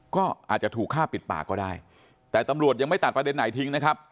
ก็อาจจะถูกฆ่าปิดปากก็ได้แต่ตำรวจยังไม่ตัดประเด็นไหนทิ้งนะครับ